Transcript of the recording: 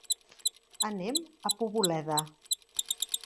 Anem a Poboleda.